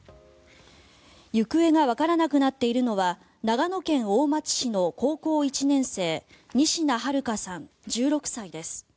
行方がわからなくなっているのは長野県大町市の高校１年生仁科日花さん、１６歳です。